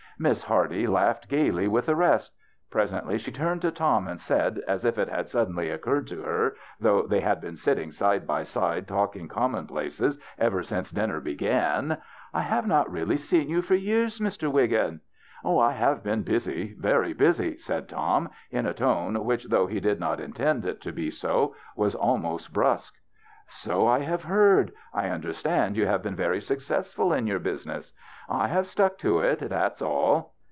Miss Hardy laughed gayly with the rest. Presently she turned to Tom and said, as if it had suddenly occurred to her, though they had been sitting side by side talking com monplaces ever since dinner began :" I have not really seen you for j^ears, Mr. Wiggin." " I have been busy — very busy," said Tom, in a tone which, though he did not intend it to be so, was almost brusque. " So I have heard. I understand you have been very successful in your business." "I have stuck to it, that's all."